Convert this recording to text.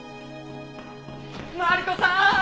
マリコさん！